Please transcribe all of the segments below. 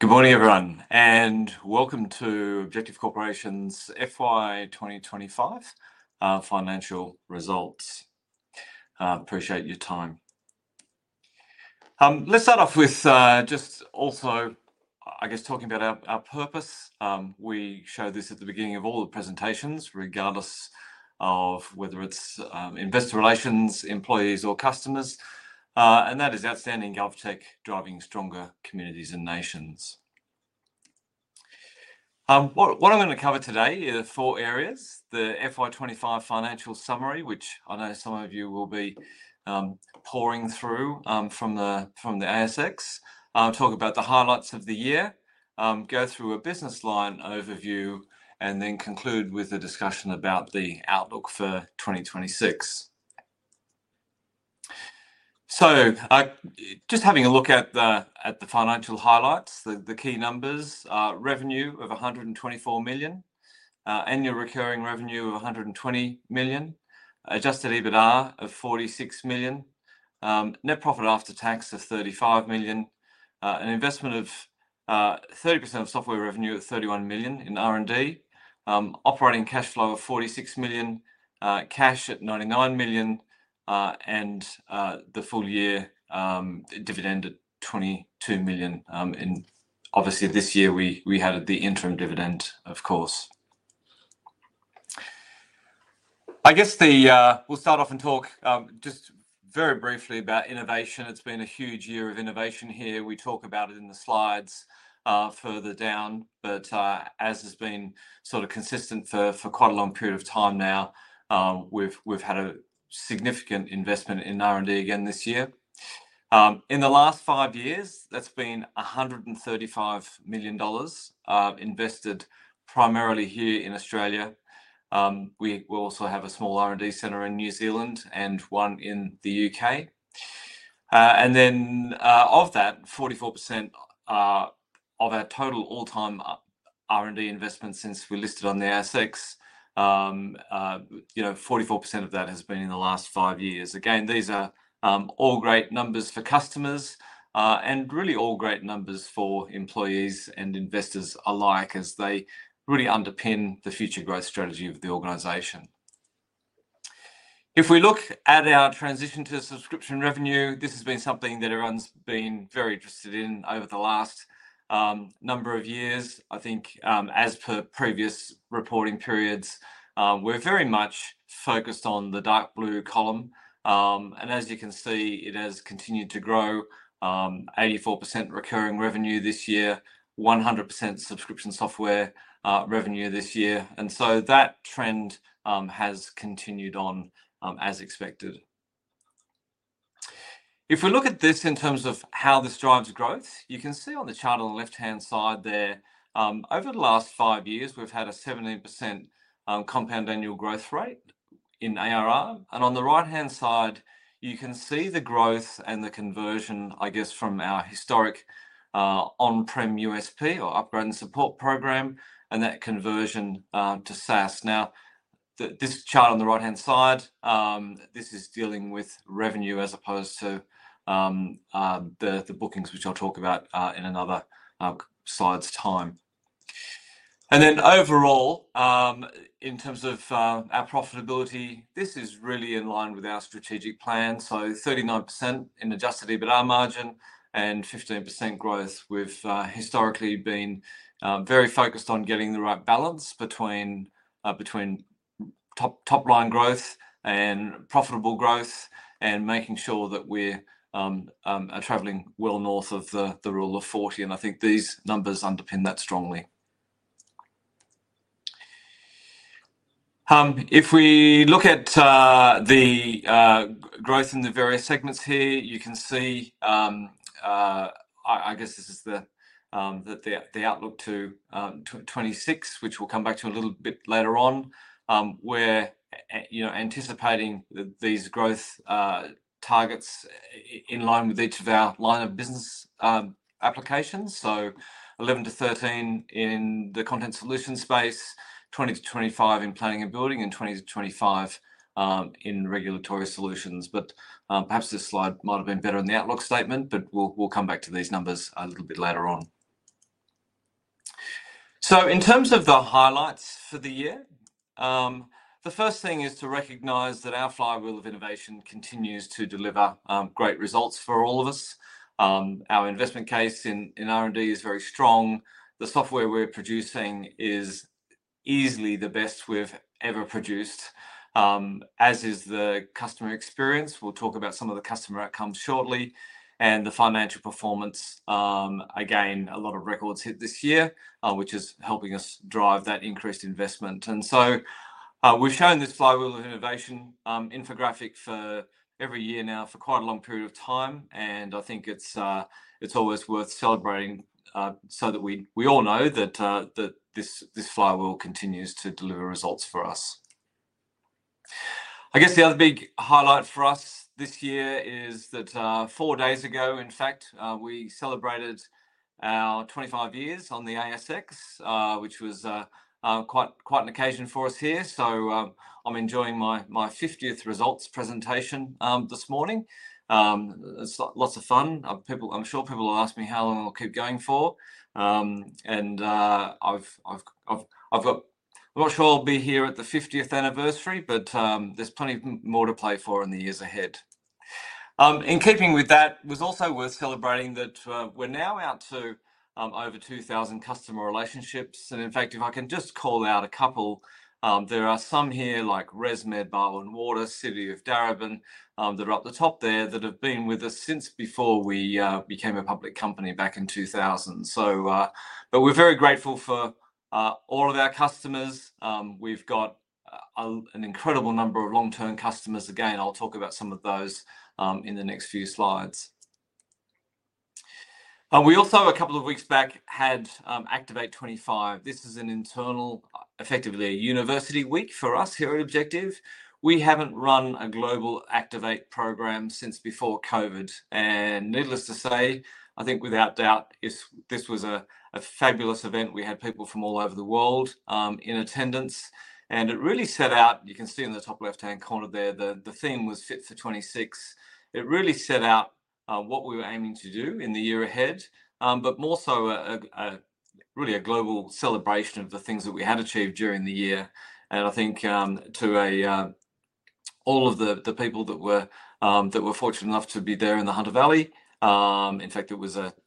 Good morning, everyone, and welcome to Objective Corporation's FY 2025 Financial Results. Appreciate your time. Let's start off with just also, I guess, talking about our purpose. We show this at the beginning of all the presentations, regardless of whether it's investor relations, employees, or customers. That is outstanding GovTech driving stronger communities and nations. What I'm going to cover today is four areas: the FY 2025 financial summary, which I know some of you will be pouring through from the ASX, talk about the highlights of the year, go through a business line overview, and then conclude with a discussion about the outlook for 2026. Just having a look at the financial highlights, the key numbers: revenue of 124 million, annual recurring revenue of 120 million, adjusted EBITDA of 46 million, net profit after tax of 35 million, an investment of 30% of software revenue or 31 million in R&D, operating cash flow of 46 million, cash at 99 million, and the full year dividend at 22 million. Obviously, this year we added the interim dividend, of course. We'll start off and talk just very briefly about innovation. It's been a huge year of innovation here. We talk about it in the slides further down, but as has been sort of consistent for quite a long period of time now, we've had a significant investment in R&D again this year. In the last five years, that's been 135 million dollars invested primarily here in Australia. We also have a small R&D center in New Zealand and one in the UK. Of that, 44% of our total all-time R&D investments since we listed on the ASX, 44% of that has been in the last five years. These are all great numbers for customers and really all great numbers for employees and investors alike, as they really underpin the future growth strategy of the organization. If we look at our transition to subscription revenue, this has been something that everyone's been very interested in over the last number of years. I think as per previous reporting periods, we're very much focused on the dark blue column. As you can see, it has continued to grow. 84% recurring revenue this year, 100% subscription software revenue this year. That trend has continued on as expected. If we look at this in terms of how this drives growth, you can see on the chart on the left-hand side there, over the last five years, we've had a 17% compound annual growth rate in ARR. On the right-hand side, you can see the growth and the conversion, I guess, from our historic on-prem USP or upgrade and support program and that conversion to SaaS. This chart on the right-hand side is dealing with revenue as opposed to the bookings, which I'll talk about in another slide's time. Overall, in terms of our profitability, this is really in line with our strategic plan. 39% in adjusted EBITDA margin and 15% growth. We've historically been very focused on getting the right balance between top-line growth and profitable growth and making sure that we're traveling well north of the Rule of 40. I think these numbers underpin that strongly. If we look at the growth in the various segments here, you can see, I guess this is the outlook to 2026, which we'll come back to a little bit later on. We're anticipating that these growth targets are in line with each of our line of business applications. 11%-13% in the Content Solutions space, 20%-25% in Planning and Building, and 20%-25% in Regulatory Solutions. Perhaps this slide might have been better in the outlook statement, but we'll come back to these numbers a little bit later on. In terms of the highlights for the year, the first thing is to recognize that our flywheel of innovation continues to deliver great results for all of us. Our investment case in R&D is very strong. The software we're producing is easily the best we've ever produced, as is the customer experience. We'll talk about some of the customer outcomes shortly. The financial performance, again, a lot of records hit this year, which is helping us drive that increased investment. We've shown this flywheel of innovation infographic for every year now for quite a long period of time. I think it's always worth celebrating so that we all know that this flywheel continues to deliver results for us. The other big highlight for us this year is that four days ago, in fact, we celebrated our 25 years on the ASX, which was quite an occasion for us here. I'm enjoying my 50th results presentation this morning. It's lots of fun. I'm sure people will ask me how long I'll keep going for. I'm not sure I'll be here at the 50th anniversary, but there's plenty more to play for in the years ahead. In keeping with that, it was also worth celebrating that we're now out to over 2,000 customer relationships. In fact, if I can just call out a couple, there are some here like ResMed, City of Darebin, that are up the top there that have been with us since before we became a public company back in 2000. We're very grateful for all of our customers. We've got an incredible number of long-term customers. Again, I'll talk about some of those in the next few slides. We also, a couple of weeks back, had Activate25. This is an internal, effectively a university week for us here at Objective. We haven't run a global Activate program since before COVID. Needless to say, I think without doubt, this was a fabulous event. We had people from all over the world in attendance. It really set out, you can see in the top left-hand corner there, the theme was Fit For 26. It really set out what we were aiming to do in the year ahead, but more so really a global celebration of the things that we had achieved during the year. I think to all of the people that were fortunate enough to be there in the Hunter Valley, in fact, the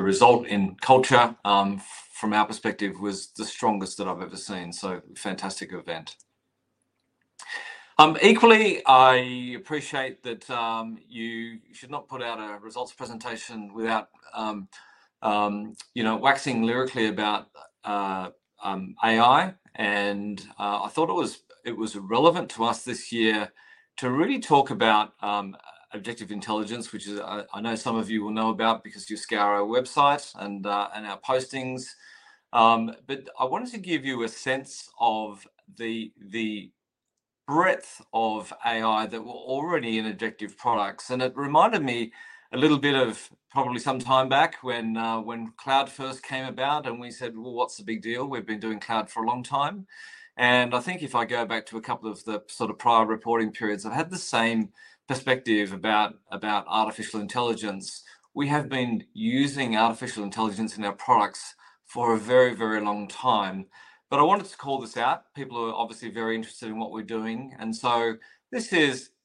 result in culture from our perspective was the strongest that I've ever seen. Fantastic event. Equally, I appreciate that you should not put out a results presentation without waxing lyrically about AI. I thought it was relevant to us this year to really talk about Objective Intelligence, which I know some of you will know about because you scour our website and our postings. I wanted to give you a sense of the breadth of AI that we're already in Objective products. It reminded me a little bit of probably some time back when cloud first came about and we said, well, what's the big deal? We've been doing cloud for a long time. I think if I go back to a couple of the sort of prior reporting periods, I've had the same perspective about artificial intelligence. We have been using artificial intelligence in our products for a very, very long time. I wanted to call this out. People are obviously very interested in what we're doing. This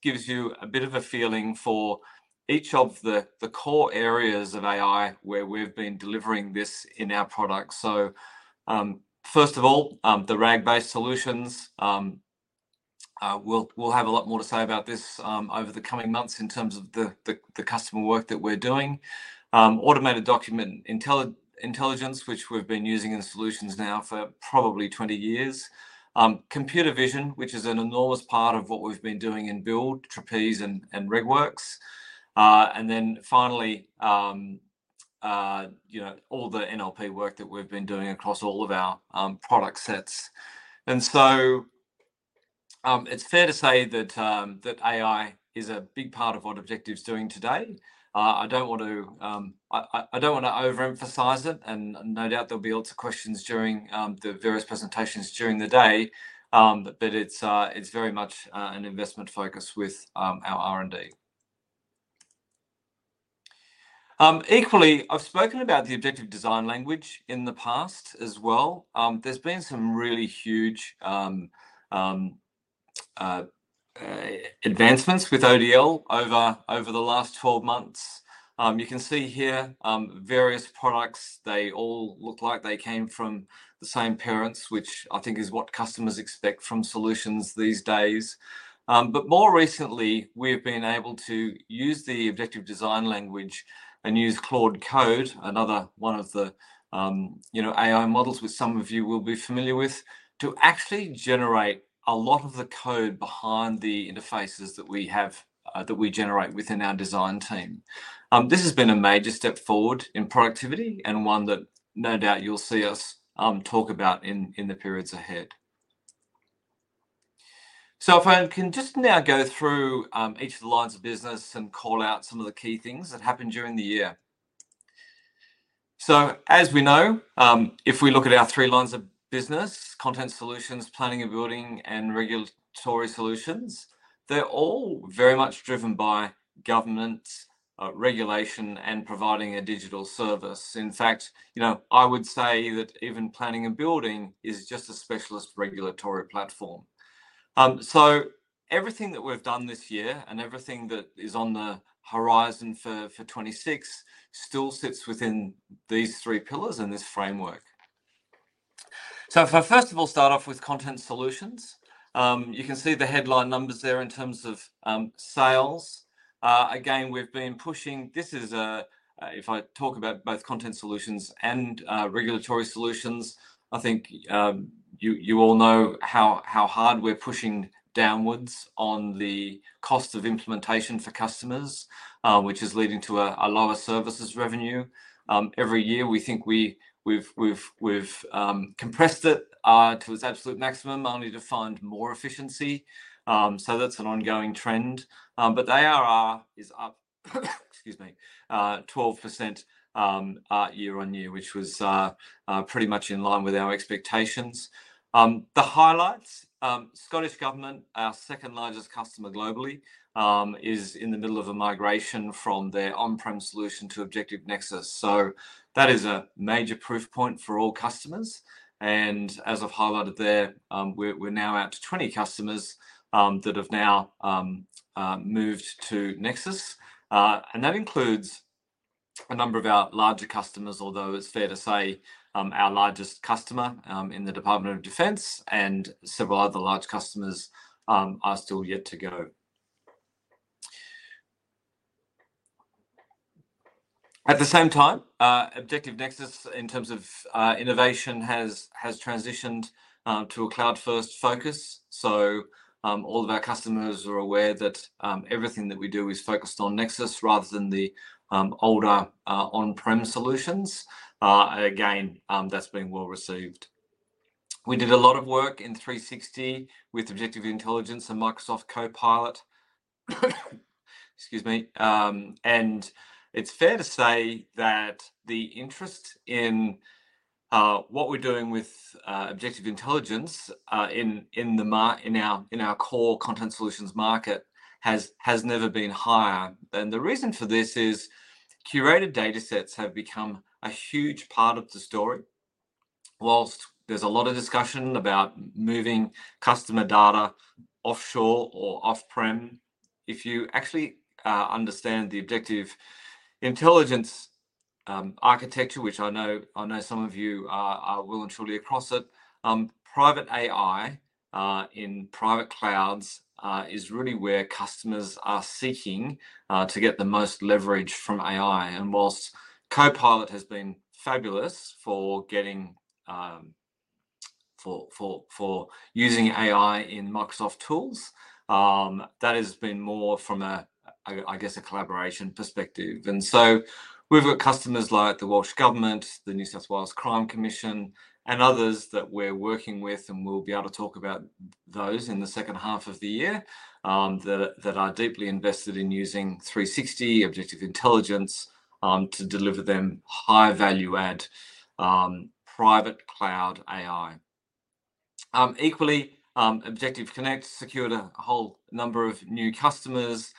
gives you a bit of a feeling for each of the core areas of AI where we've been delivering this in our products. First of all, the RAG-based solutions. We'll have a lot more to say about this over the coming months in terms of the customer work that we're doing. Automated document intelligence, which we've been using in solutions now for probably 20 years. Computer vision, which is an enormous part of what we've been doing in Build, Trapeze, and RegWorks. Finally, all the NLP work that we've been doing across all of our product sets. It's fair to say that AI is a big part of what Objective's doing today. I don't want to overemphasize it. No doubt there'll be lots of questions during the various presentations during the day. It's very much an investment focus with our R&D. Equally, I've spoken about the Objective Design Language in the past as well. There have been some really huge advancements with ODL over the last 12 months. You can see here various products. They all look like they came from the same parents, which I think is what customers expect from solutions these days. More recently, we've been able to use the Objective design language and use Claude Code, another one of the AI models which some of you will be familiar with, to actually generate a lot of the code behind the interfaces that we generate within our design team. This has been a major step forward in productivity and one that no doubt you'll see us talk about in the periods ahead. If I can just now go through each of the lines of business and call out some of the key things that happened during the year. As we know, if we look at our three lines of business, Content Solutions, Planning and Building, and Regulatory Solutions, they're all very much driven by government regulation and providing a digital service. In fact, I would say that even Planning and Building is just a specialist regulatory platform. Everything that we've done this year and everything that is on the horizon for 2026 still sits within these three pillars and this framework. If I first of all start off with Content Solutions, you can see the headline numbers there in terms of sales. Again, we've been pushing, if I talk about both Content Solutions and Regulatory Solutions, I think you all know how hard we're pushing downwards on the cost of implementation for customers, which is leading to a lower services revenue. Every year, we think we've compressed it to its absolute maximum only to find more efficiency. That's an ongoing trend. ARR is up, excuse me, 12% year-on-year, which was pretty much in line with our expectations. The highlights, Scottish Government, our second largest customer globally, is in the middle of a migration from their on-prem solution to Objective Nexus. That is a major proof point for all customers. As I've highlighted there, we're now out to 20 customers that have now moved to Nexus. That includes a number of our larger customers, although it's fair to say our largest customer in the Department of Defence and several other large customers are still yet to go. At the same time, Objective Nexus, in terms of innovation, has transitioned to a cloud-first focus. All of our customers are aware that everything that we do is focused on Nexus rather than the older on-prem solutions. That's been well received. We did a lot of work in 3Sixty with Objective Intelligence and Microsoft Copilot. It's fair to say that the interest in what we're doing with Objective Intelligence in our core Content Solutions market has never been higher. The reason for this is curated data sets have become a huge part of the story. Whilst there's a lot of discussion about moving customer data offshore or off-prem, if you actually understand the Objective Intelligence architecture, which I know some of you are willing to truly across it, private AI in private clouds is really where customers are seeking to get the most leverage from AI. Whilst Copilot has been fabulous for using AI in Microsoft tools, that has been more from a collaboration perspective. We've got customers like the Welsh Government, the New South Wales Crime Commission, and others that we're working with, and we'll be able to talk about those in the second half of the year, that are deeply invested in using 3Sixty Objective Intelligence to deliver them high value-add private cloud AI. Equally, Objective Connect secured a whole number of new customers.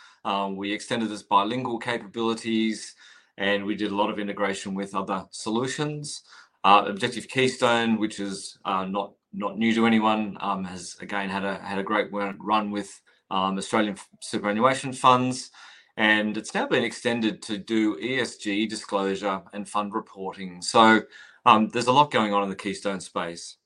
We extended its bilingual capabilities, and we did a lot of integration with other solutions. Objective Keystone, which is not new to anyone, has again had a great run with Australian superannuation funds, and it's now been extended to do ESG disclosure and fund reporting. There's a lot going on in the Keystone space.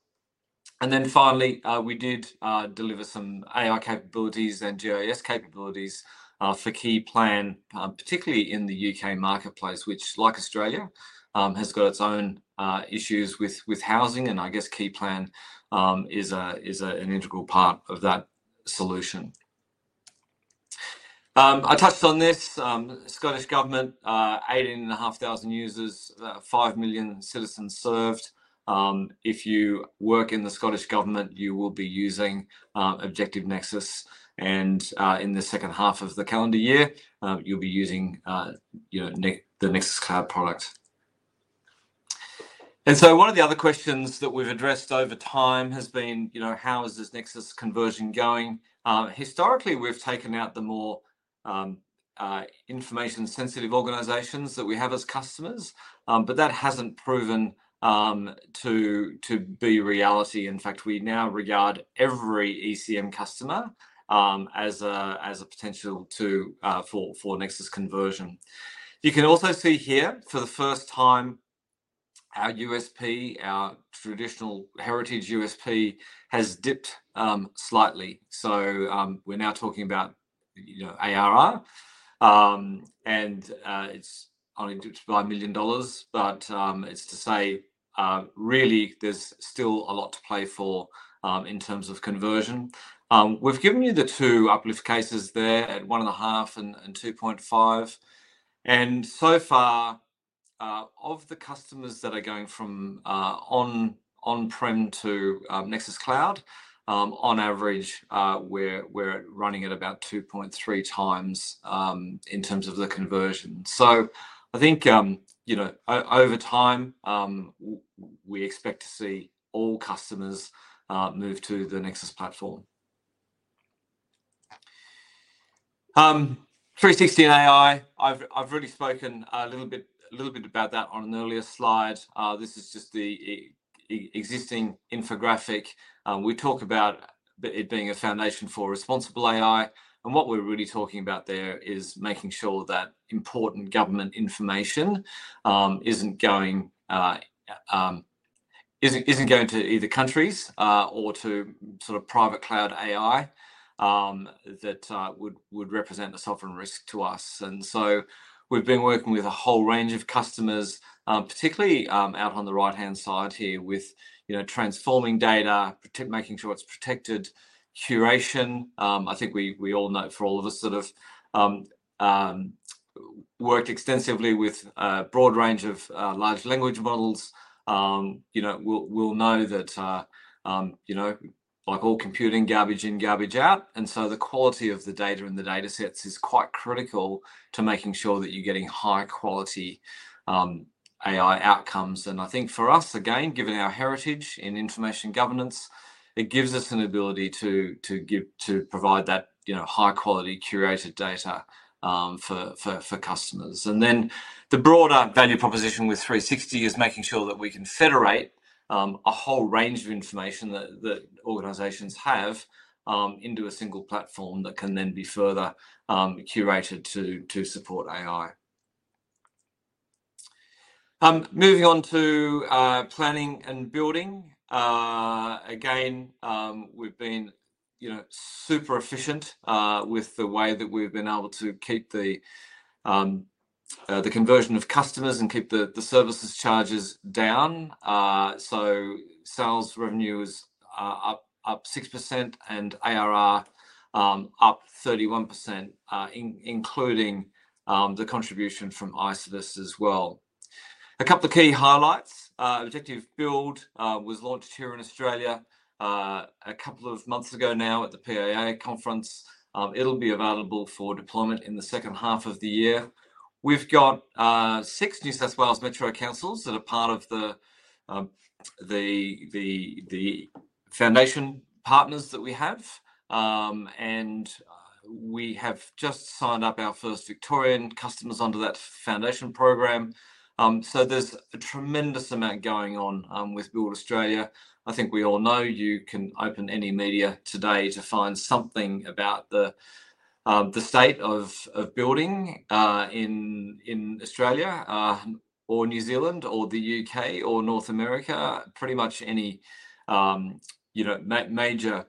Finally, we did deliver some AI capabilities and GIS capabilities for Keyplan, particularly in the UK marketplace, which, like Australia, has got its own issues with housing. Keyplan is an integral part of that solution. I touched on this. Scottish Government, 8,500 users, 5 million citizens served. If you work in the Scottish Government, you will be using Objective Nexus. In the second half of the calendar year, you'll be using the Nexus Cloud product. One of the other questions that we've addressed over time has been, you know, how is this Nexus conversion going? Historically, we've taken out the more information-sensitive organizations that we have as customers, but that hasn't proven to be reality. In fact, we now regard every ECM customer as a potential for Nexus conversion. You can also see here, for the first time, our USP, our traditional heritage USP, has dipped slightly. We're now talking about ARR, and it's only dipped by 1 million dollars. It's to say, really, there's still a lot to play for in terms of conversion. We've given you the two uplift cases there, at 1.5 and 2.5. So far, of the customers that are going from on-prem to Nexus Cloud, on average, we're running at about 2.3x in terms of the conversion. I think, you know, over time, we expect to see all customers move to the Nexus platform. 3Sixty and AI, I've already spoken a little bit about that on an earlier slide. This is just the existing infographic. We talk about it being a foundation for responsible AI. What we're really talking about there is making sure that important government information isn't going to either countries or to sort of private cloud AI that would represent a sovereign risk to us. We've been working with a whole range of customers, particularly out on the right-hand side here with transforming data, making sure it's protected, curation. I think we all know, for all of us that have worked extensively with a broad range of large language models, we'll know that, you know, like all computing, garbage in, garbage out. The quality of the data in the data sets is quite critical to making sure that you're getting high-quality AI outcomes. I think for us, again, given our heritage in information governance, it gives us an ability to provide that high-quality curated data for customers. The broader value proposition with 3Sixty is making sure that we can federate a whole range of information that organizations have into a single platform that can then be further curated to support AI. Moving on to Planning and Building, again, we've been super efficient with the way that we've been able to keep the conversion of customers and keep the services charges down. Sales revenue is up 6% and ARR up 31%, including the contribution from Isovist as well. A couple of key highlights. Objective Build was launched here in Australia a couple of months ago now at the PIA conference. It'll be available for deployment in the second half of the year. We've got six New South Wales Metro Councils that are part of the foundation partners that we have. We have just signed up our first Victorian customers under that foundation program. There's a tremendous amount going on with Build Australia. I think we all know you can open any media today to find something about the state of building in Australia or New Zealand or the U.K. or North America. Pretty much any major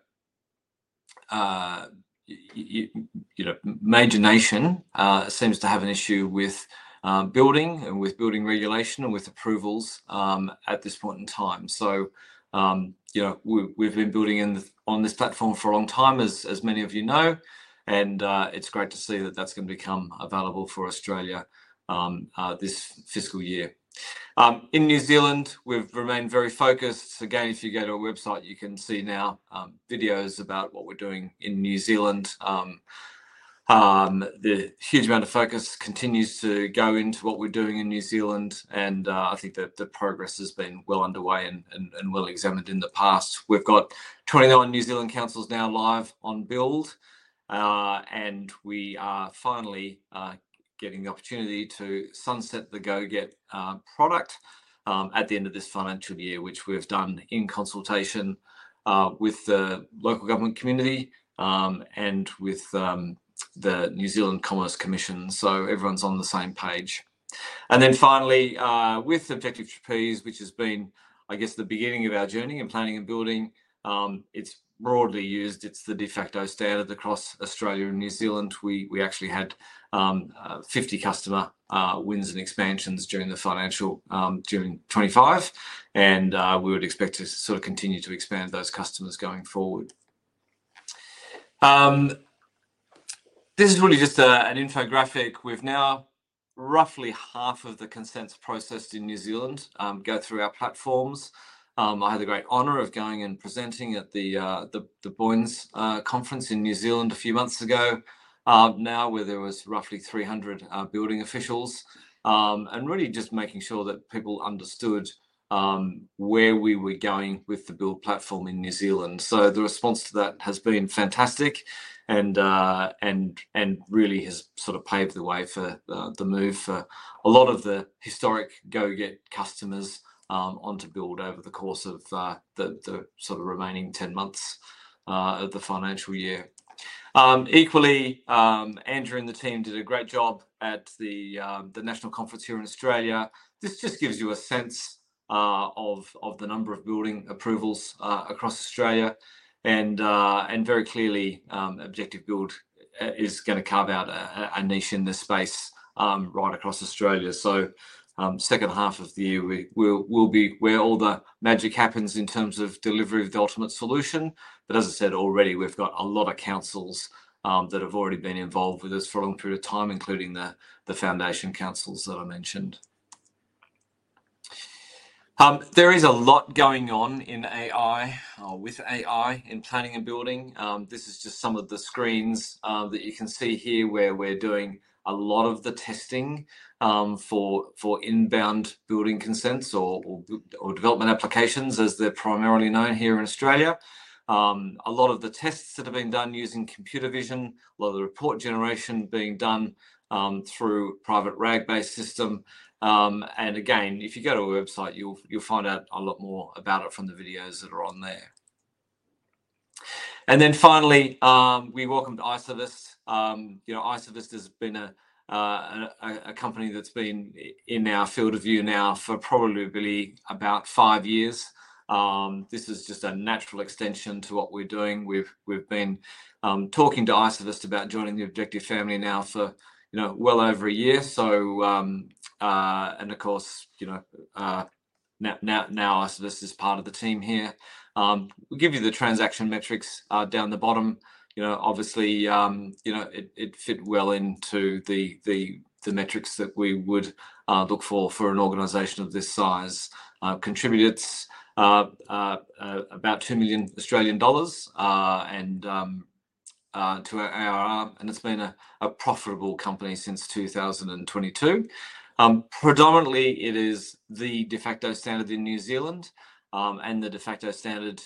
nation seems to have an issue with building and with building regulation and with approvals at this point in time. We've been building on this platform for a long time, as many of you know. It's great to see that that's going to become available for Australia this fiscal year. In New Zealand, we've remained very focused. If you go to our website, you can see now videos about what we're doing in New Zealand. The huge amount of focus continues to go into what we're doing in New Zealand. I think that the progress has been well underway and well examined in the past. We've got 21 New Zealand councils now live on Build. We are finally getting the opportunity to sunset the GoGet product at the end of this financial year, which we've done in consultation with the local government community and with the New Zealand Commerce Commission. Everyone's on the same page. Finally, with Objective Trapeze, which has been, I guess, the beginning of our journey in planning and building, it's broadly used. It's the de facto standard across Australia and New Zealand. We actually had 50 customer wins and expansions during the financial during 2025. We would expect to continue to expand those customers going forward. This is really just an infographic. We've now roughly half of the consents processed in New Zealand go through our platforms. I had the great honor of going and presenting at the BOINZ conference in New Zealand a few months ago now, where there were roughly 300 building officials, and really just making sure that people understood where we were going with the Build platform in New Zealand. The response to that has been fantastic and really has paved the way for the move for a lot of the historic GoGet customers onto Build over the course of the remaining 10 months of the financial year. Equally, Andrew and the team did a great job at the National Conference here in Australia. This just gives you a sense of the number of building approvals across Australia. Very clearly, Objective Build is going to carve out a niche in this space right across Australia. The second half of the year will be where all the magic happens in terms of delivery of the ultimate solution. As I said already, we've got a lot of councils that have already been involved with us for a long period of time, including the foundation councils that I mentioned. There is a lot going on in AI with AI in planning and building. This is just some of the screens that you can see here where we're doing a lot of the testing for inbound building consents or development applications, as they're primarily known here in Australia. A lot of the tests are being done using computer vision, a lot of the report generation being done through a private RAG-based system. If you go to our website, you'll find out a lot more about it from the videos that are on there. Finally, we welcomed Isovist. Isovist has been a company that's been in our field of view now for probably about five years. This is just a natural extension to what we're doing. We've been talking to Isovist about joining the Objective family now for well over a year. Of course, now Isovist is part of the team here. We'll give you the transaction metrics down the bottom. Obviously, it fit well into the metrics that we would look for for an organization of this size. Contributed about 2 million Australian dollars to our ARR, and it's been a profitable company since 2022. Predominantly, it is the de facto standard in New Zealand and the de facto standard in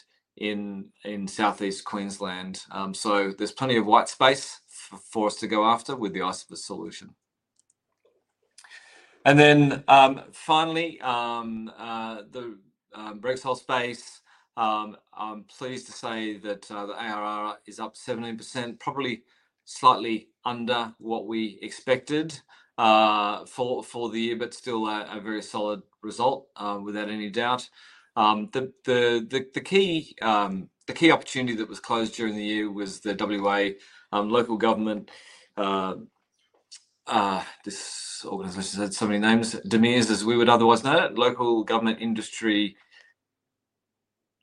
southeast Queensland. There is plenty of white space for us to go after with the Isovist solution. Finally, the brickshole space. I'm pleased to say that the ARR is up 17%, probably slightly under what we expected for the year, but still a very solid result without any doubt. The key opportunity that was closed during the year was the WA local government. This organization has had so many names, DMIRS, as we would otherwise know it, Local Government Industry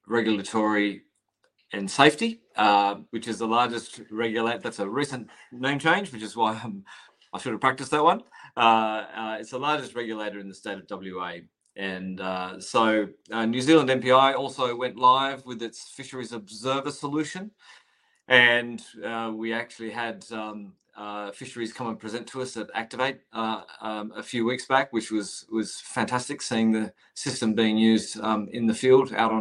Regulatory and Safety, which is the largest regulator. That's a recent name change, which is why I should have practiced that one. It is the largest regulator in the state of WA. New Zealand MPI also went live with its fisheries observer solution. We actually had fisheries come and present to us at Activate a few weeks back, which was fantastic, seeing the system being used in the field, out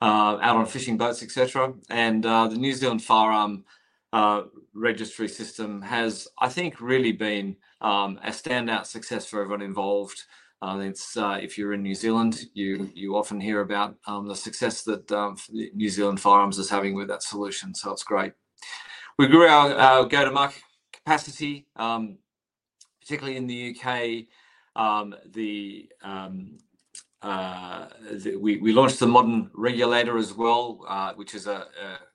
on fishing boats, etc. The New Zealand Firearms Registry system has, I think, really been a standout success for everyone involved. If you're in New Zealand, you often hear about the success that New Zealand Firearms is having with that solution. It's great. We grew our go to market capacity, particularly in the U.K. We launched The Modern Regulator as well, which is a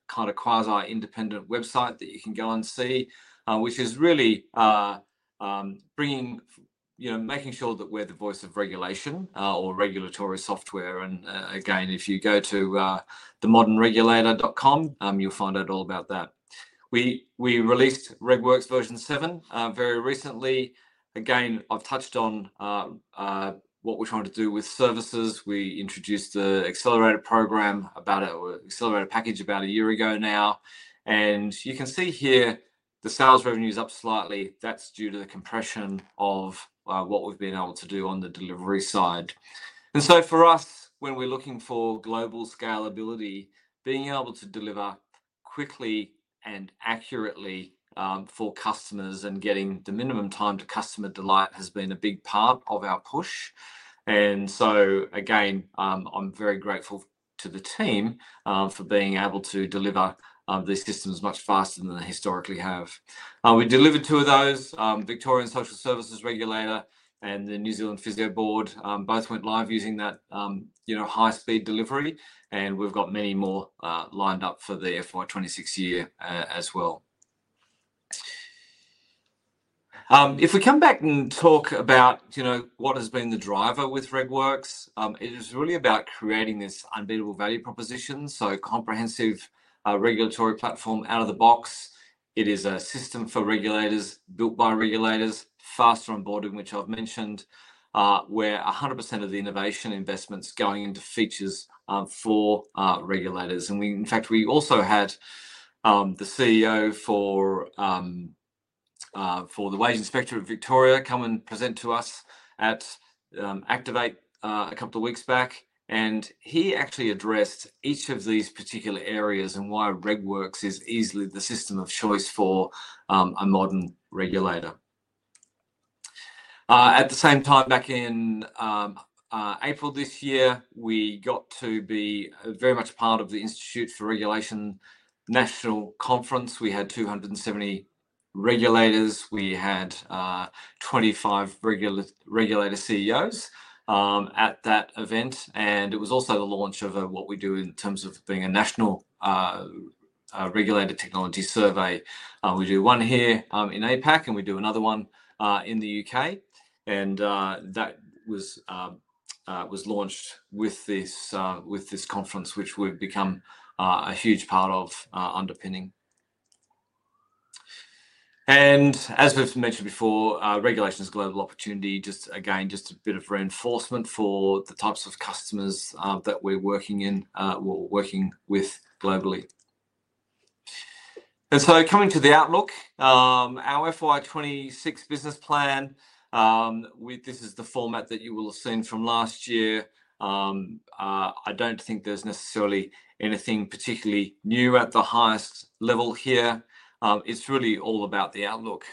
kind of quasi-independent website that you can go and see, which is really making sure that we're the voice of regulation or regulatory software. If you go to themodernregulator.com, you'll find out all about that. We released RegWorks version 7 very recently. I've touched on what we're trying to do with services. We introduced the accelerator program, an accelerator package, about a year ago now. You can see here the sales revenue is up slightly. That's due to the compression of what we've been able to do on the delivery side. For us, when we're looking for global scalability, being able to deliver quickly and accurately for customers and getting the minimum time to customer delight has been a big part of our push. I'm very grateful to the team for being able to deliver these systems much faster than they historically have. We delivered two of those, Victorian Social Services Regulator and the New Zealand Physio Board. Both went live using that high-speed delivery. We've got many more lined up for the FY 2026 year as well. If we come back and talk about what has been the driver with RegWorks, it is really about creating this unbeatable value proposition. A comprehensive regulatory platform out of the box, it is a system for regulators built by regulators, faster onboarding, which I've mentioned, where 100% of the innovation investment is going into features for regulators. In fact, we also had the CEO for the Wage Inspectorate Victoria come and present to us at Activate a couple of weeks back. He actually addressed each of these particular areas and why RegWorks is easily the system of choice for a modern regulator. At the same time, back in April this year, we got to be very much part of the Institute for Regulation National Conference. We had 270 regulators. We had 25 regulator CEOs at that event. It was also the launch of what we do in terms of being a national regulator technology survey. We do one here in APAC and we do another one in the U.K. That was launched with this conference, which would become a huge part of underpinning. As we've mentioned before, regulation is a global opportunity, just again, just a bit of reinforcement for the types of customers that we're working in, we're working with globally. Coming to the outlook, our FY 2026 business plan, this is the format that you will have seen from last year. I don't think there's necessarily anything particularly new at the highest level here. It's really all about the outlook.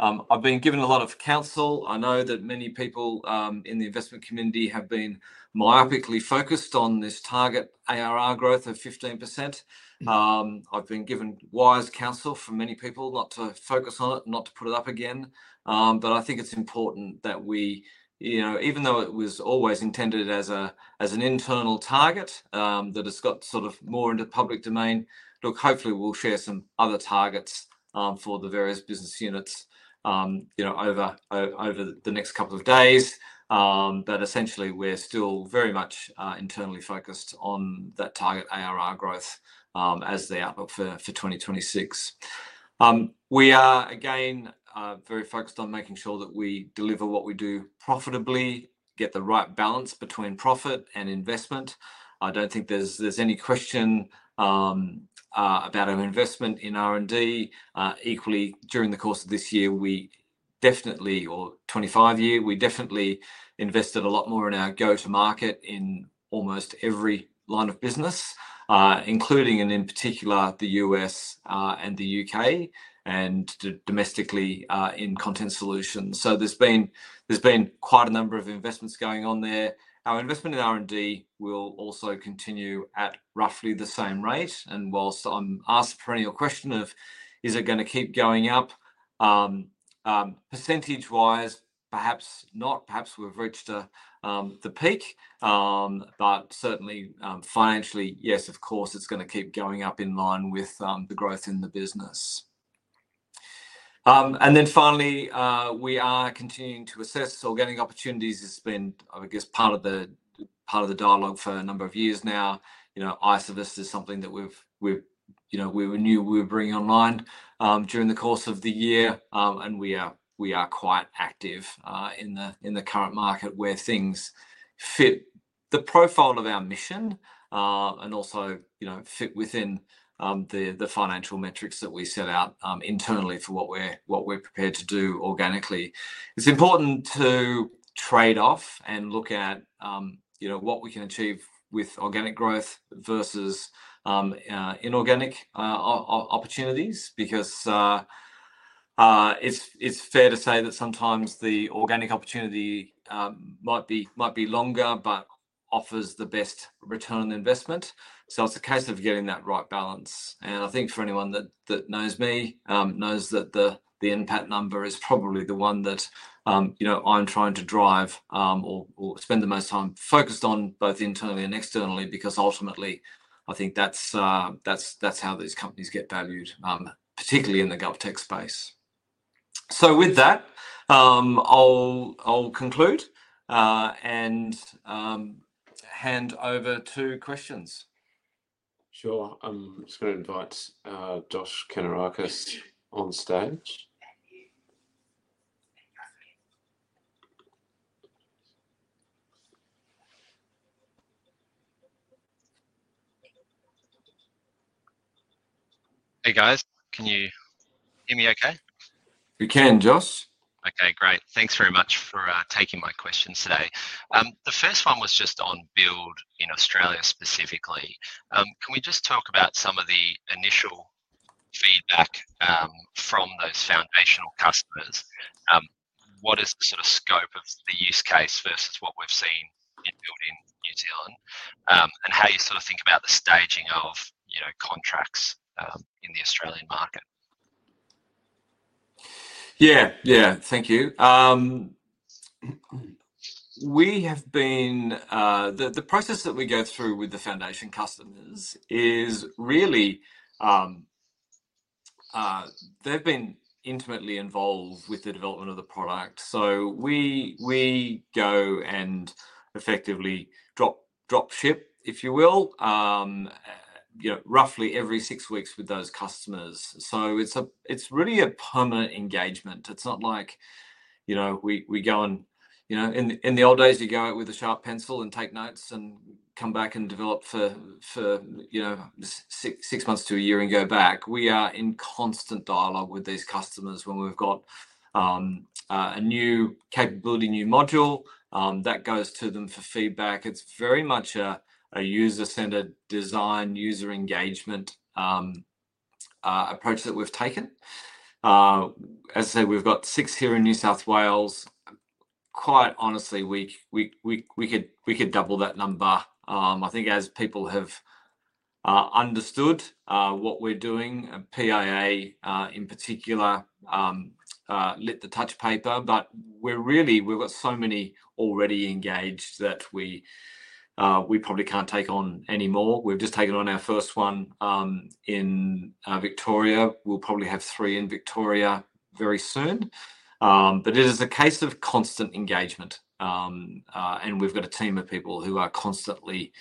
I've been given a lot of counsel. I know that many people in the investment community have been myopically focused on this target ARR growth of 15%. I've been given wise counsel from many people not to focus on it, not to put it up again. I think it's important that we, you know, even though it was always intended as an internal target that has got sort of more into the public domain, look, hopefully we'll share some other targets for the various business units over the next couple of days. Essentially, we're still very much internally focused on that target ARR growth as they are up for 2026. We are, again, very focused on making sure that we deliver what we do profitably, get the right balance between profit and investment. I don't think there's any question about our investment in R&D. Equally, during the course of this year, or 2025 year, we definitely invested a lot more in our go-to-market in almost every line of business, including and in particular the U.S. and the U.K. and domestically in Content Solutions. There's been quite a number of investments going on there. Our investment in R&D will also continue at roughly the same rate. Whilst I'm asked a perennial question of, is it going to keep going up percentage-wise, perhaps not, perhaps we've reached the peak, but certainly financially, yes, of course, it's going to keep going up in line with the growth in the business. Finally, we are continuing to assess organic opportunities. It's been, I guess, part of the dialogue for a number of years now. Isovist is something that we knew we were bringing online during the course of the year. We are quite active in the current market where things fit the profile of our mission and also fit within the financial metrics that we set out internally for what we're prepared to do organically. It's important to trade off and look at what we can achieve with organic growth versus inorganic opportunities because it's fair to say that sometimes the organic opportunity might be longer but offers the best return on investment. It's a case of getting that right balance. I think for anyone that knows me knows that the NPAT number is probably the one that I'm trying to drive or spend the most time focused on both internally and externally because ultimately, I think that's how these companies get valued, particularly in the GovTech space. With that, I'll conclude and hand over to questions. I'm just going to invite Josh Kannourakis on stage. Hey guys, can you hear me okay? We can, Josh. Okay, great. Thanks very much for taking my questions today. The first one was just on Build in Australia specifically. Can we just talk about some of the initial feedback from those foundational customers? What is the sort of scope of the use case versus what we've seen in Build in New Zealand? How do you sort of think about the staging of contracts in the Australian market? Thank you. We have been, the process that we go through with the foundation customers is really they've been intimately involved with the development of the product. We go and effectively drop ship, if you will, roughly every six weeks with those customers. It's really a permanent engagement. It's not like you go on, you know, in the old days you go out with a sharp pencil and take notes and come back and develop for six months to a year and go back. We are in constant dialogue with these customers. When we've got a new capability, new module, that goes to them for feedback. It's very much a user-centered design, user engagement approach that we've taken. As I said, we've got six here in New South Wales. Quite honestly, we could double that number. I think as people have understood what we're doing, PIA in particular lit the touch paper. We've got so many already engaged that we probably can't take on any more. We've just taken on our first one in Victoria. We'll probably have three in Victoria very soon. It is a case of constant engagement. We've got a team of people who are constantly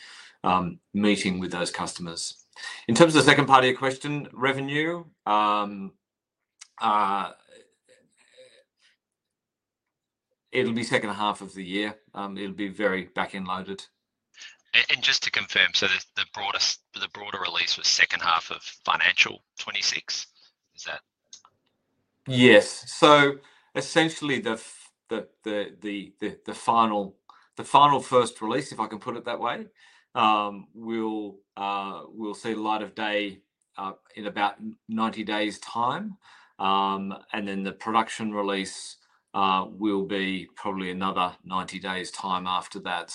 meeting with those customers. In terms of the second part of your question, revenue, it'll be second half of the year. It'll be very back-end loaded. Just to confirm, the broader release was second half of financial 2026, is that? Yes. Essentially, the final first release, if I can put it that way, will see light of day in about 90 days' time. The production release will be probably another 90 days' time after that.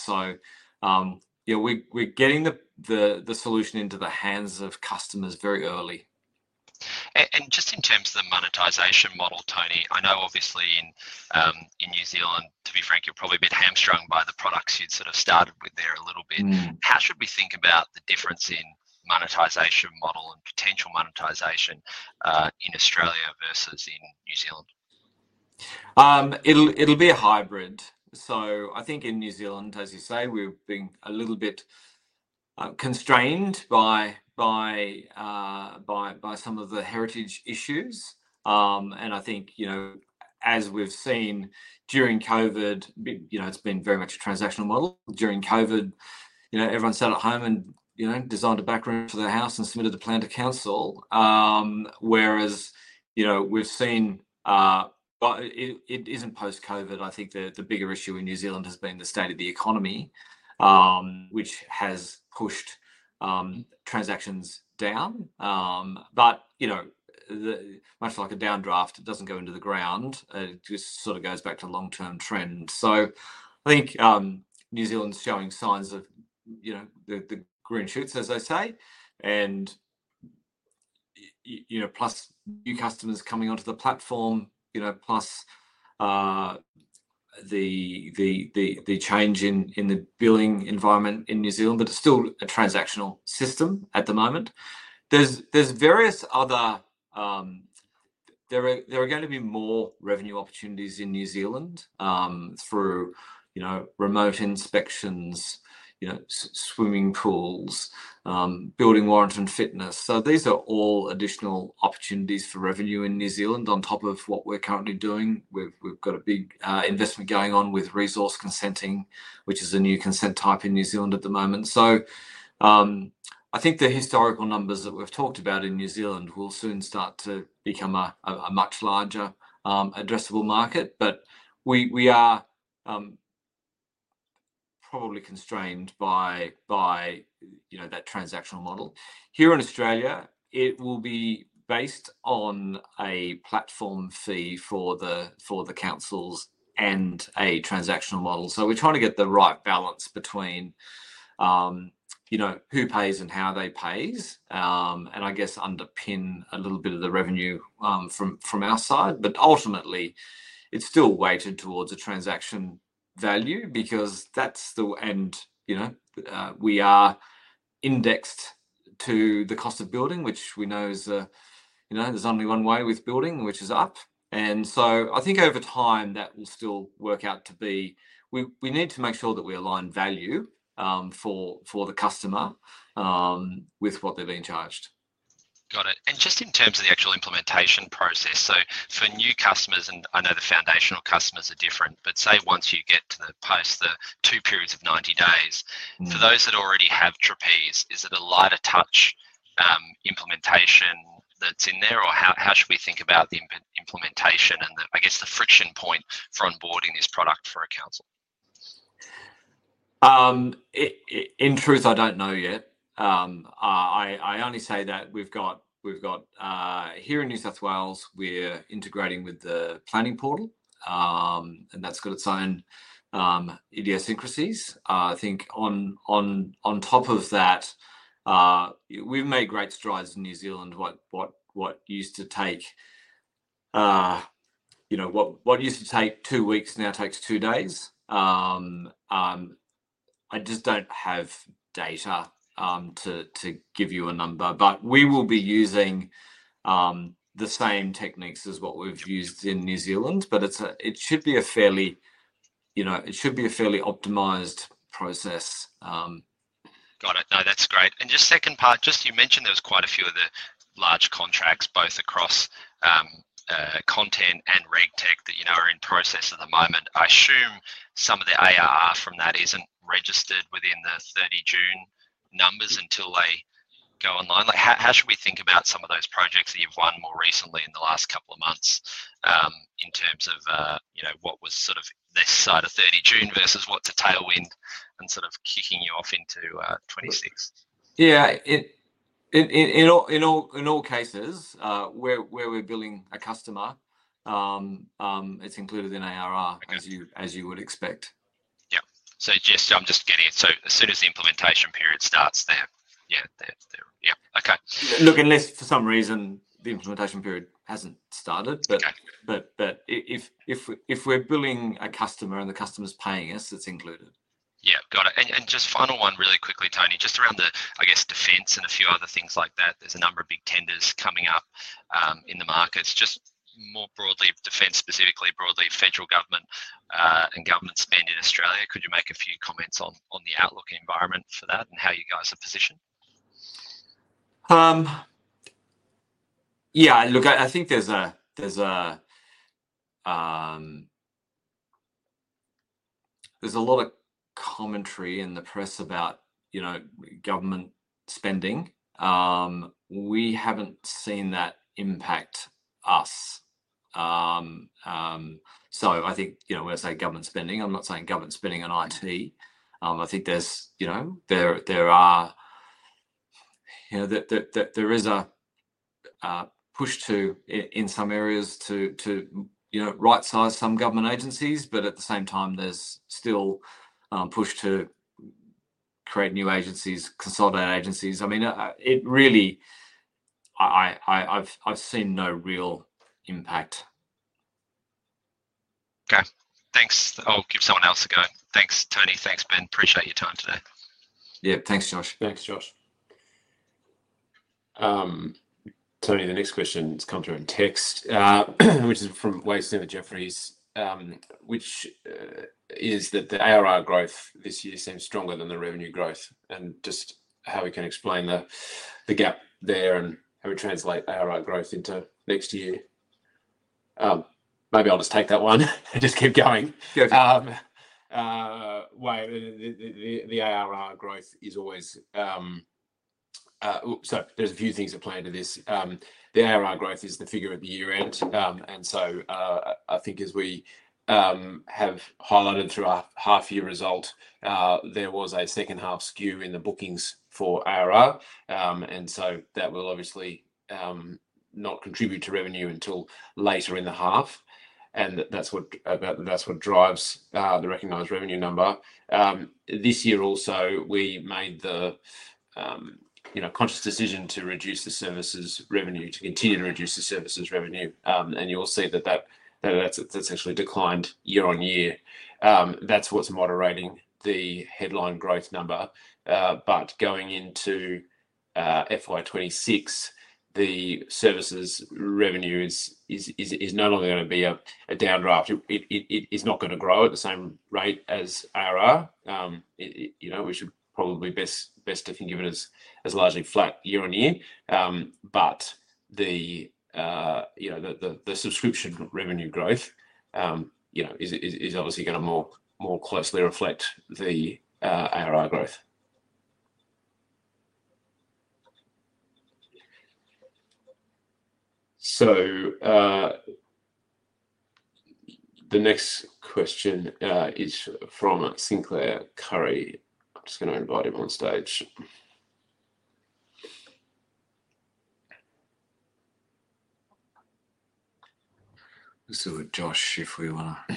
We're getting the solution into the hands of customers very early. In terms of the monetization model, Tony, I know obviously in New Zealand, to be frank, you're probably a bit hamstrung by the products you'd sort of start with there a little bit. How should we think about the difference in monetization model and potential monetization in Australia versus in New Zealand? It'll be a hybrid. I think in New Zealand, as you say, we're being a little bit constrained by some of the heritage issues. I think, as we've seen during COVID, it's been very much a transactional model. During COVID, everyone sat at home and designed a back room for their house and submitted the plan to council. Whereas we've seen, it isn't post-COVID. I think the bigger issue in New Zealand has been the state of the economy, which has pushed transactions down. Much like a downdraft, it doesn't go into the ground. It just sort of goes back to long-term trends. I think New Zealand's showing signs of the green shoots, as they say. Plus new customers coming onto the platform, plus the change in the billing environment in New Zealand, but it's still a transactional system at the moment. There are going to be more revenue opportunities in New Zealand through remote inspections, swimming pools, building warrant and fitness. These are all additional opportunities for revenue in New Zealand on top of what we're currently doing. We've got a big investment going on with resource consenting, which is a new consent type in New Zealand at the moment. I think the historical numbers that we've talked about in New Zealand will soon start to become a much larger addressable market. We are probably constrained by that transactional model. Here in Australia, it will be based on a platform fee for the councils and a transactional model. We're trying to get the right balance between who pays and how they pay. I guess underpin a little bit of the revenue from our side. Ultimately, it's still weighted towards a transaction value because that's the, and we are indexed to the cost of building, which we know is a, there's only one way with building, which is up. I think over time that will still work out to be, we need to make sure that we align value for the customer with what they're being charged. Got it. In terms of the actual implementation process, for new customers, and I know the foundational customers are different, once you get to the post the two periods of 90 days, for those that already have Trapeze, is it a lighter touch implementation that's in there, or how should we think about the implementation and the, I guess, the friction point for onboarding this product for accounts? In truth, I don't know yet. I only say that we've got here in New South Wales, we're integrating with the planning portal, and that's got its own idiosyncrasies. I think on top of that, we've made great strides in New Zealand. What used to take two weeks now takes two days. I just don't have data to give you a number, we will be using the same techniques as what we've used in New Zealand. It should be a fairly optimized process. Got it. No, that's great. Just second part, you mentioned there's quite a few of the large contracts both across Content and Reg that are in process at the moment. I assume some of the ARR from that isn't registered within the 30 June numbers until they go online. How should we think about some of those projects that you've won more recently in the last couple of months in terms of what was this side of 30 June versus what's a tailwind and kicking you off into 2026? Yeah, in all cases where we're billing a customer, it's included in ARR, as you would expect. Yeah, I'm just getting it. As soon as the implementation period starts there, yeah. Okay. Unless for some reason the implementation period hasn't started, if we're billing a customer and the customer's paying us, it's included. Yeah, got it. Just final one really quickly, Tony, just around the, I guess, defense and a few other things like that. There's a number of big tenders coming up in the markets. Just more broadly, defense specifically, broadly, federal government and government spend in Australia. Could you make a few comments on the outlook environment for that and how you guys are positioned? I think there's a lot of commentary in the press about government spending. We haven't seen that impact us. When I say government spending, I'm not saying government spending on IT. I think there is a push in some areas to right-size some government agencies, but at the same time, there's still a push to create new agencies and consolidate agencies. I mean, I've seen no real impact. Okay, thanks. I'll give someone else a go. Thanks, Tony. Thanks, Ben. Appreciate your time today. Yeah, thanks, Josh. Thanks, Josh. Tony, the next question's come through in text, which is from Wasteland Jeffries, which is that the ARR growth this year seems stronger than the revenue growth, and just how we can explain the gap there and how we translate ARR growth into next year. Maybe I'll just take that one and just keep going. Go ahead. The ARR growth is always, sorry, there's a few things that play into this. The ARR growth is the figure of the year-end. I think as we have highlighted through our half-year result, there was a second half skew in the bookings for ARR. That will obviously not contribute to revenue until later in the half, and that's what drives the recognized revenue number. This year also, we made the conscious decision to reduce the services revenue, to continue to reduce the services revenue. You'll see that that's actually declined year-on-year. That's what's moderating the headline growth number. Going into FY2026, the services revenue is no longer going to be a down draft. It's not going to grow at the same rate as ARR. We should probably best have been given as largely flat year-on-year. The subscription revenue growth is obviously going to more closely reflect the ARR growth. The next question is from Sinclair Currie. I'm just going to invite him on stage. Let's see with Josh if we want to.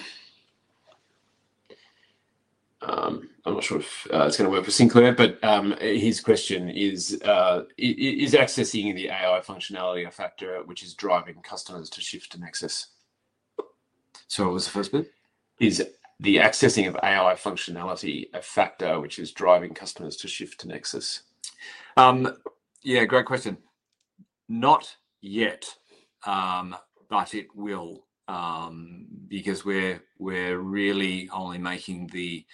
I'm not sure if it's going to work for Sinclair, but his question is, is accessing the AI functionality a factor which is driving customers to shift to Nexus? Sorry, what was the first bit? Is the accessing of AI functionality a factor which is driving customers to shift to Nexus? Yeah, great question. Not yet. I think we'll, because we're really only making the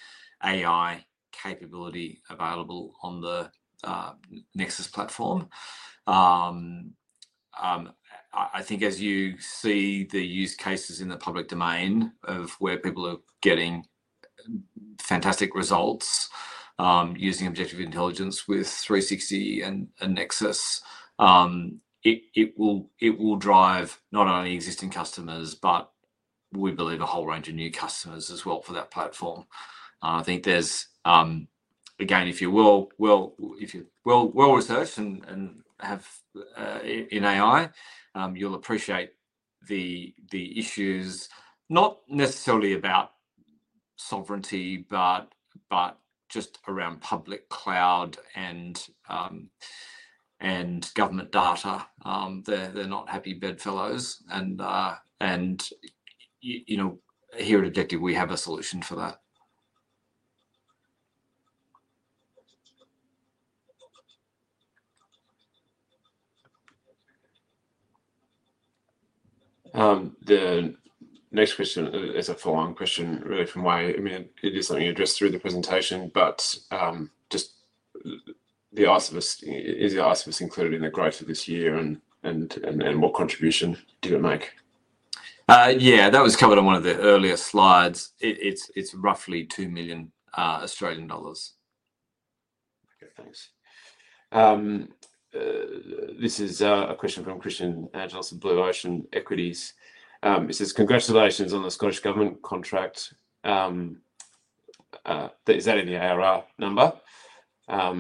AI capability available on the Nexus platform. I think as you see the use cases in the public domain of where people are getting fantastic results using Objective Intelligence with 3Sixty and Nexus, it will drive not only existing customers, but we believe a whole range of new customers as well for that platform. I think there's, again, if you're well-researched and have in AI, you'll appreciate the issues, not necessarily about sovereignty, but just around public cloud and government data. They're not happy bedfellows. Here at Objective, we have a solution for that. The next question is a follow-on question really from way. I mean, it is something you addressed through the presentation, but just the Isovist, is the Isovist included in the growth of this year and what contribution did it make? Yeah, that was covered on one of the earlier slides. It's roughly 2 million Australian dollars. Okay, thanks. This is a question from Christian Angelis of Blue Ocean Equities. He says, congratulations on the Scottish Government contract. Is that in the ARR number? How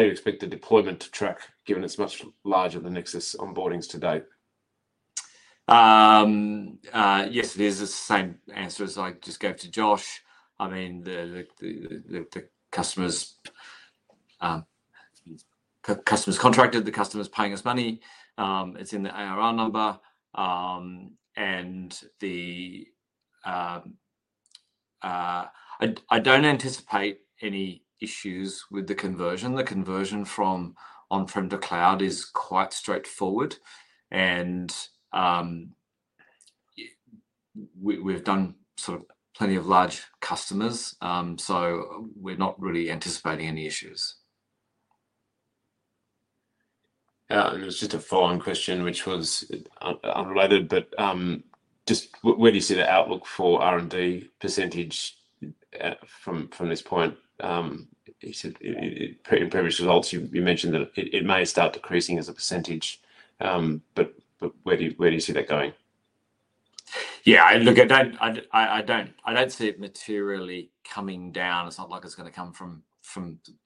do you expect the deployment to track given it's much larger than Nexus onboardings today? Yes, it is the same answer as I just gave to Josh. The customer is contracted, the customer is paying us money. It's in the ARR number. I don't anticipate any issues with the conversion. The conversion from on-prem to cloud is quite straightforward. We've done plenty of large customers, so we're not really anticipating any issues. It was just a follow-on question, which was unrelated, just where do you see the outlook for R&D percentage from this point? In previous results, you mentioned that it may start decreasing as a percentage, but where do you see that going? I don't see it materially coming down. It's not like it's going to come from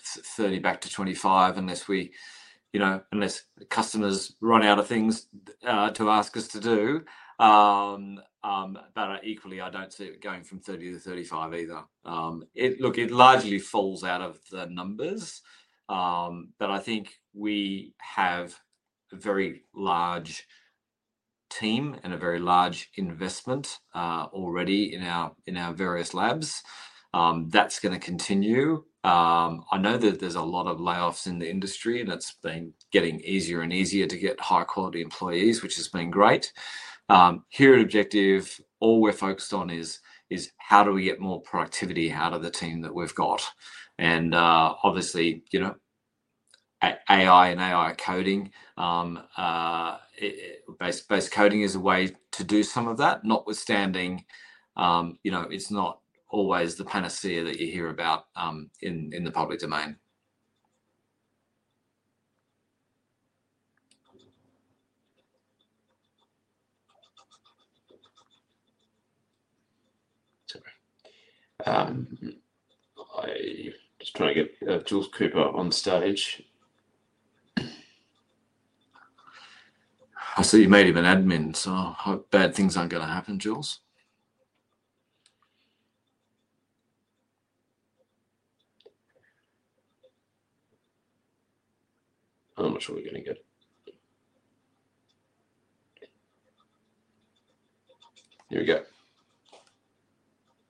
30% back to 25% unless customers run out of things to ask us to do. Equally, I don't see it going from 30% to 35% either. It largely falls out of the numbers, but I think we have a very large team and a very large investment already in our various labs. That's going to continue. I know that there's a lot of layoffs in the industry, and it's been getting easier and easier to get high-quality employees, which has been great. Here at Objective, all we're focused on is how do we get more productivity out of the team that we've got. Obviously, AI and AI coding, based coding is a way to do some of that, notwithstanding it's not always the panacea that you hear about in the public domain. I'm just trying to get Jules Cooper on stage. I thought you made him an admin, so I hope bad things aren't going to happen, Jules. I'm not sure we're going to get it. Here we go.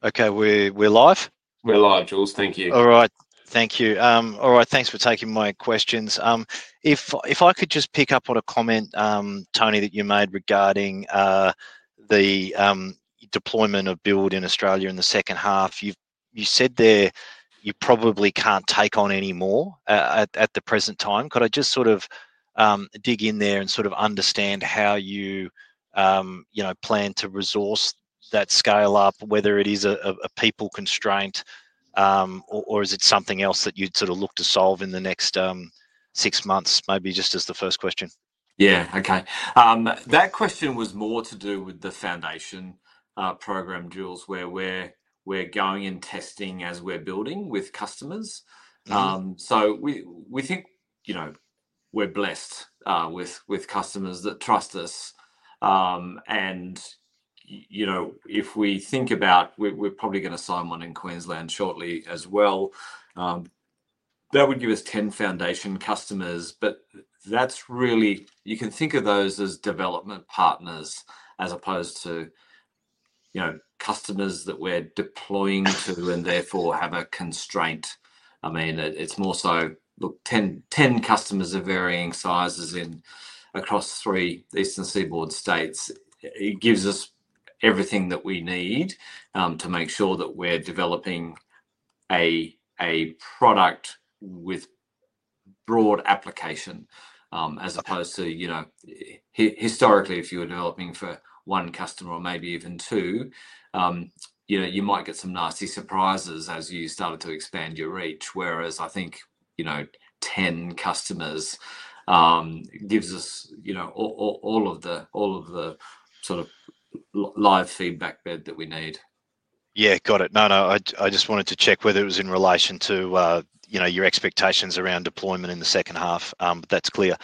Okay, we're live? We're live, Jules. Thank you. All right. Thank you. All right. Thanks for taking my questions. If I could just pick up on a comment, Tony, that you made regarding the deployment of Build in Australia in the second half, you said you probably can't take on any more at the present time. Could I just dig in there and understand how you plan to resource that scale up, whether it is a people constraint or is it something else that you'd look to solve in the next six months, maybe just as the first question? Yeah, okay. That question was more to do with the foundation program, Jules, where we're going and testing as we're building with customers. We think we're blessed with customers that trust us. If we think about it, we're probably going to sign one in Queensland shortly as well. That would give us 10 foundation customers. You can think of those as development partners as opposed to customers that we're deploying to and therefore have a constraint. It's more so, look, 10 customers of varying sizes across three Eastern Seaboard states. It gives us everything that we need to make sure that we're developing a product with broad application as opposed to, historically, if you were developing for one customer or maybe even two, you might get some nasty surprises as you started to expand your reach. I think 10 customers gives us all of the sort of live feedback bed that we need. Got it. I just wanted to check whether it was in relation to your expectations around deployment in the second half, but that's clear.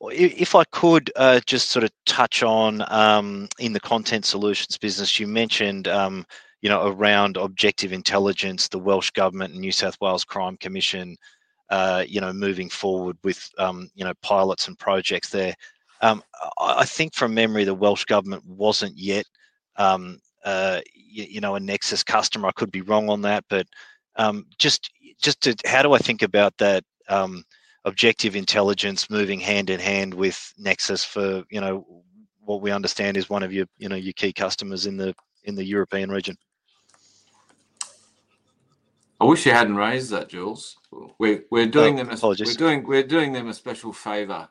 If I could just touch on in the Content Solutions business, you mentioned around Objective Intelligence, the Welsh Government and New South Wales Crime Commission moving forward with pilots and projects there. I think from memory, the Welsh Government wasn't yet a Nexus customer. I could be wrong on that, but just to, how do I think about that Objective Intelligence moving hand in hand with Nexus for what we understand is one of your key customers in the European region? I wish you hadn't raised that, Jules. We're doing them a special favor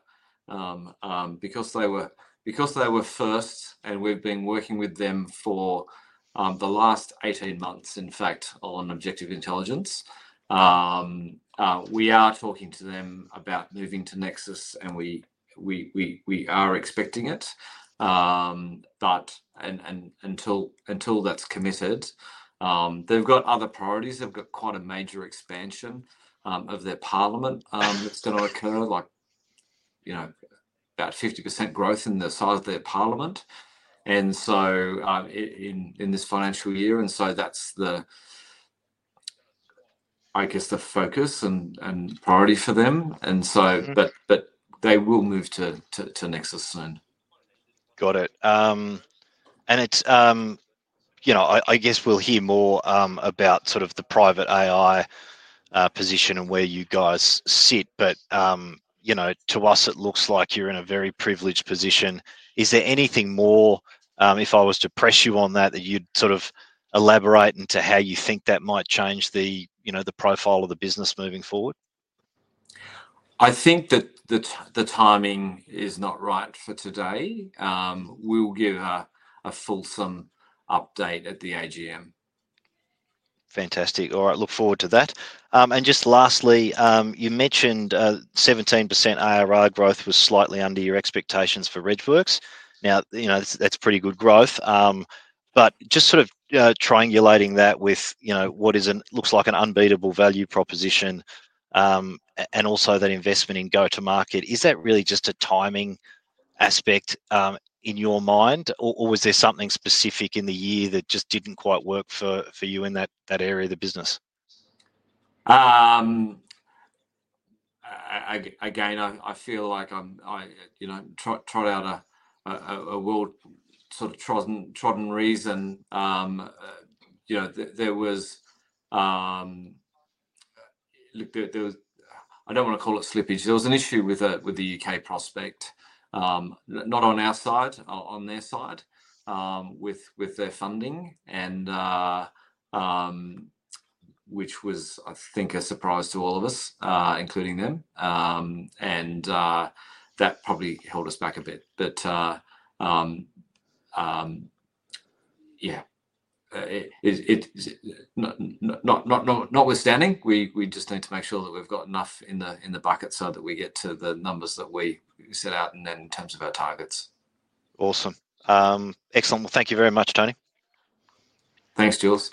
because they were first and we've been working with them for the last 18 months, in fact, on Objective Intelligence. We are talking to them about moving to Nexus and we are expecting it. Until that's committed, they've got other priorities. They've got quite a major expansion of their parliament that's going to occur, like, you know, about 50% growth in the size of their parliament in this financial year, and so that's the, I guess, the focus and priority for them. They will move to Nexus soon. Got it. It's, you know, I guess we'll hear more about the private AI position and where you guys sit. To us, it looks like you're in a very privileged position. Is there anything more, if I was to press you on that, that you'd elaborate into how you think that might change the profile of the business moving forward? I think that the timing is not right for today. We'll give a fulsome update at the AGM. Fantastic. All right, look forward to that. Just lastly, you mentioned 17% ARR growth was slightly under your expectations for RegWorks. Now, you know, that's pretty good growth. Just sort of triangulating that with, you know, what looks like an unbeatable value proposition and also that investment in go-to-market, is that really just a timing aspect in your mind, or was there something specific in the year that just didn't quite work for you in that area of the business? Again, I feel like I'm trotting out a well-trodden reason. There was, I don't want to call it slippage, there was an issue with the U.K. prospect, not on our side, on their side, with their funding, which was, I think, a surprise to all of us, including them. That probably held us back a bit. Notwithstanding, we just need to make sure that we've got enough in the bucket so that we get to the numbers that we set out in terms of our targets. Awesome. Excellent. Thank you very much, Tony. Thanks, Jules.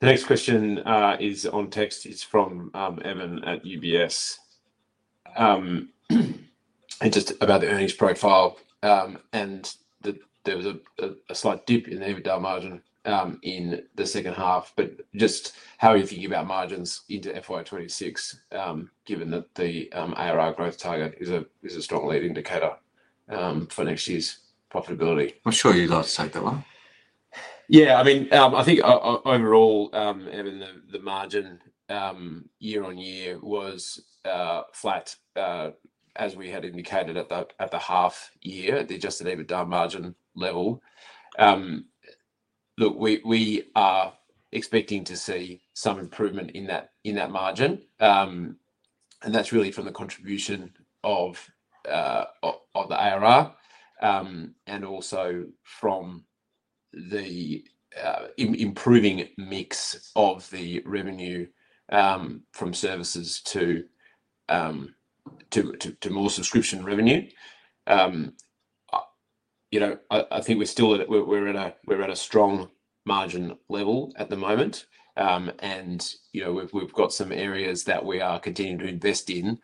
The next question is on text. It's from Evan at UBS. And just about the earnings profile, and there was a slight dip in the EBITDA margin in the second half, but just how are you thinking about margins into FY2026, given that the ARR growth target is a strong lead indicator for next year's profitability? I'm sure you'd like to take that one. Yeah, I mean, I think overall, Evan, the margin year-on-year was flat, as we had indicated at the half year, the adjusted EBITDA margin level. Look, we are expecting to see some improvement in that margin. That's really from the contribution of the ARR and also from the improving mix of the revenue from services to more subscription revenue. I think we're still at a, we're at a strong margin level at the moment. We've got some areas that we are continuing to invest in,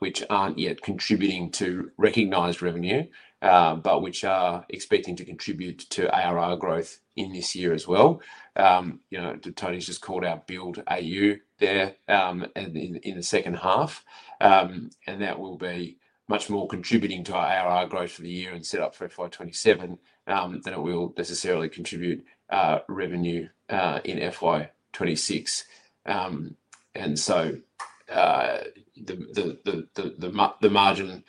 which aren't yet contributing to recognized revenue, but which are expecting to contribute to ARR growth in this year as well. Tony's just called out Build AU there in the second half. That will be much more contributing to our ARR growth for the year and set up for FY2027 than it will necessarily contribute revenue in FY2026. The margin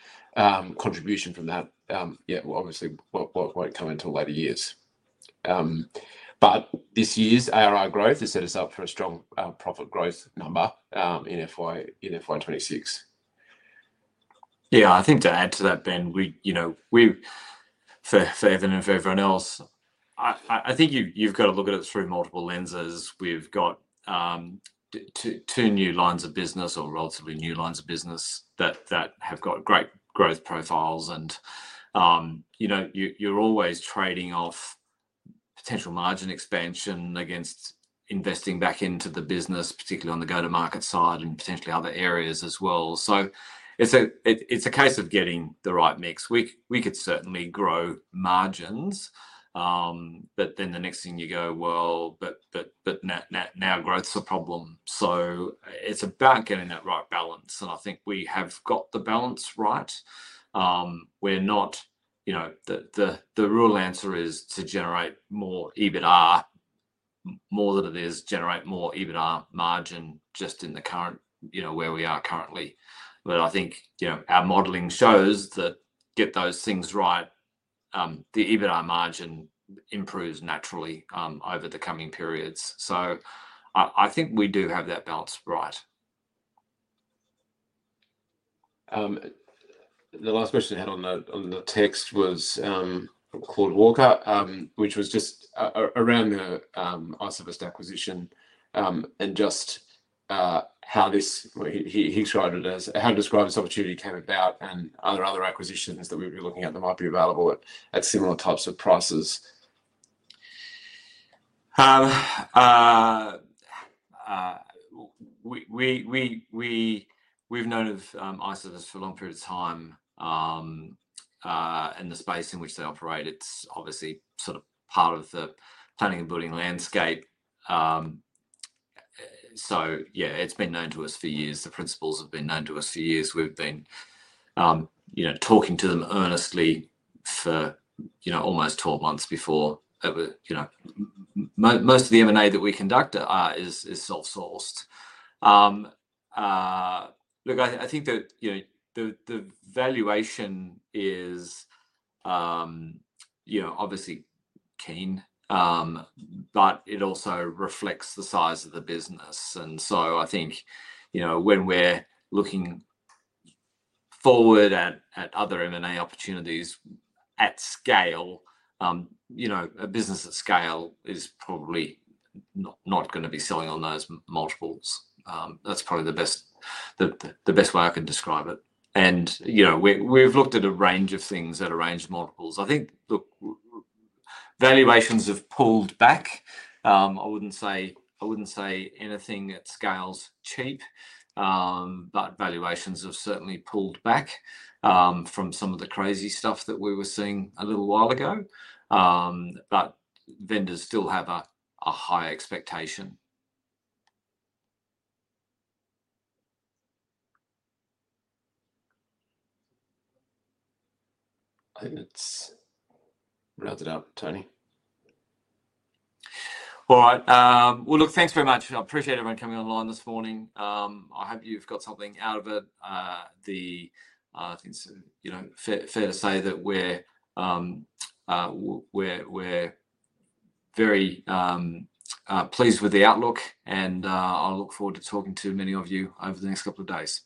contribution from that obviously won't come until later years. This year's ARR growth has set us up for a strong profit growth number in FY2026. I think to add to that, Ben, for Evan and for everyone else, I think you've got to look at it through multiple lenses. We've got two new lines of business or relatively new lines of business that have got great growth profiles. You're always trading off potential margin expansion against investing back into the business, particularly on the go-to-market side and potentially other areas as well. It's a case of getting the right mix. We could certainly grow margins, but then the next thing you go, well, but now growth's a problem. It's about getting that right balance. I think we have got the balance right. The real answer is to generate more EBITDA, more than it is to generate more EBITDA margin just in the current, you know, where we are currently. I think our modeling shows that get those things right, the EBITDA margin improves naturally over the coming periods. I think we do have that balance right. The last question I had on the text was called Walker, which was just around the Isovist acquisition and just how this, he described it as how this opportunity came about and are there other acquisitions that we'd be looking at that might be available at similar types of prices? We've known of Isovist for a long period of time in the space in which they operate. It's obviously sort of part of the planning and building landscape. Yeah, it's been known to us for years. The principals have been known to us for years. We've been talking to them earnestly for almost 12 months before. Most of the M&A that we conduct is self-sourced. Look, I think that the valuation is obviously keen, but it also reflects the size of the business. I think when we're looking forward at other M&A opportunities at scale, a business at scale is probably not going to be selling on those multiples. That's probably the best way I can describe it. We've looked at a range of things at a range of multiples. I think valuations have pulled back. I wouldn't say anything at scale is cheap, but valuations have certainly pulled back from some of the crazy stuff that we were seeing a little while ago. Vendors still have a high expectation. I think that's wrapped it up, Tony. All right. Thanks very much. I appreciate everyone coming online this morning. I hope you've got something out of it. I think it's fair to say that we're very pleased with the outlook, and I'll look forward to talking to many of you over the next couple of days.